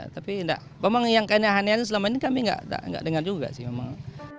tapi memang yang hanya hanya selama ini kami tidak dengar juga sih memang